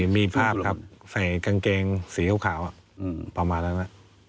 มีภาพครับใส่กางเกงสีขาวประมาณนั้นไหม